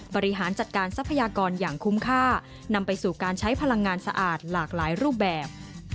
บริหารจัดการทรัพยากรอย่างคุ้มค่านำไปสู่การใช้พลังงานสะอาดหลากหลายรูปแบบ